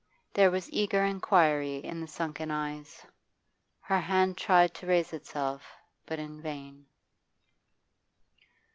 There was eager inquiry in the sunken eyes; her hand tried to raise itself, but in vain.